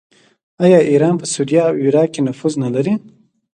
آیا ایران په سوریه او عراق کې نفوذ نلري؟